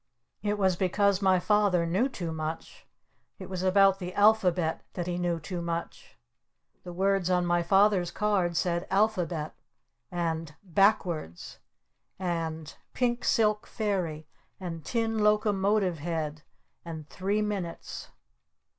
It was because my Father knew too much. It was about the Alphabet that he knew too much. The words on my Father's card said "ALPHABET." And "BACKWARDS." And "PINK SILK FAIRY." And "TIN LOCOMOTIVE HEAD." And "THREE MINUTES."